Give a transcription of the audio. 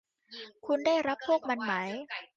คุณได้รับพวกมันไหม